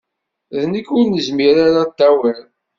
D nekk ur nezmir ara ad t-awiɣ.